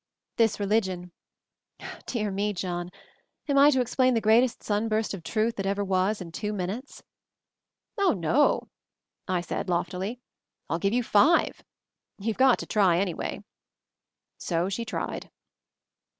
"This religion Dear me, John ! am I to explain the greatest sunburst of truth that that ever was — in two minutes?" "Oh, no," I said loftily. "I'll give you five ! You've got to try, anyway." So she tried.